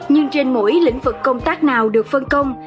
nhưng trên mỗi lĩnh vực công tác nào được phân công